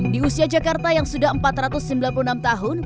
di usia jakarta yang sudah empat ratus sembilan puluh enam tahun